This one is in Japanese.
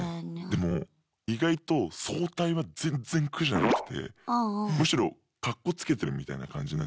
でも意外と早退は全然苦じゃなくてむしろカッコつけてるみたいな感じになって。